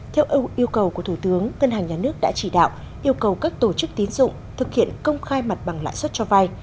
theo yêu cầu của thủ tướng ngân hàng nhà nước đã chỉ đạo yêu cầu các tổ chức tín dụng thực hiện công khai mặt bằng lãi suất cho vay